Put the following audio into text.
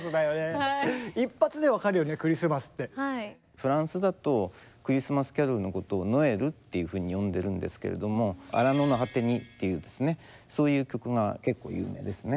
フランスだと「クリスマスキャロル」のことを「ノエル」っていうふうに呼んでるんですけれども「荒野の果てに」っていうですねそういう曲が結構有名ですね。